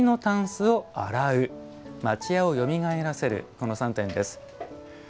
この３点です。